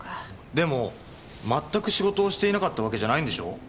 でもまったく仕事をしていなかったわけじゃないんでしょう？